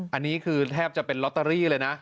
อันนี้คือแทบจะเป็นลอตเตอรี่เลยนะ